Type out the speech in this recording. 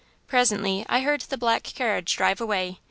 "Presently I heard the carriage drive away.